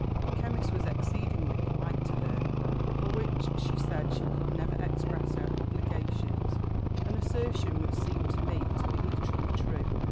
The chemist was exceedingly polite to her, for which she said she could never express her _h_obligations an assertion which seemed to me to be literally true.